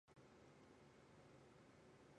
不停从她脸颊滑落